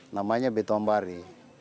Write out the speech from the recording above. namanya beto ambari